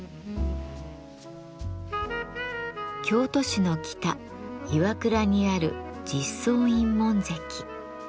京都市の北岩倉にある実相院門跡。